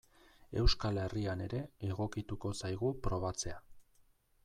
Euskal Herrian ere egokituko zaigu probatzea.